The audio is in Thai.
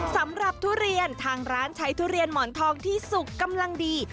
ทุเรียนทางร้านใช้ทุเรียนหมอนทองที่สุกกำลังดี